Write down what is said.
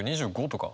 ２５とか。